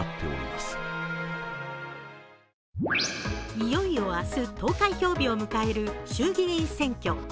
いよいよ明日、投開票日を迎える衆議院選挙。